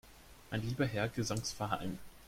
Mein lieber Herr Gesangsverein!